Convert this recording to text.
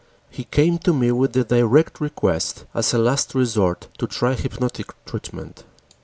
He came to me with the direct request as a last resort to try hypnotic treatment.